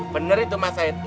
benar itu mas said